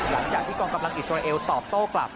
หลังจากที่กองกำลังอิสราเอลตอบโต้กลับ